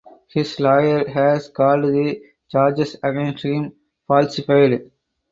His lawyer has called the charges against him falsified.